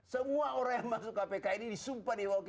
semua orang yang masuk kpk ini disumpah diwawancara